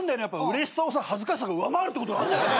うれしさ恥ずかしさが上回るってことがあるんだよね。